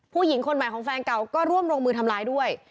คนใหม่ของแฟนเก่าก็ร่วมลงมือทำร้ายด้วย